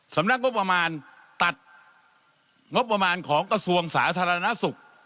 สำนักงบประมาณตัดงบประมาณของกระทรวงสาธารณสุข